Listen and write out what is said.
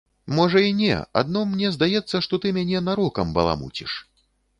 Можа, і не, адно мне здаецца, што ты мяне нарокам баламуціш.